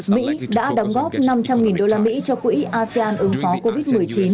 mỹ đã đóng góp năm trăm linh đô la mỹ cho quỹ asean ứng phó covid một mươi chín